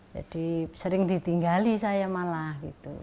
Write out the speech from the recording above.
jadi sering ditinggali saya malah